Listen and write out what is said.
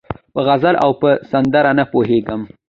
په غزل او په سندره نه پوهېږي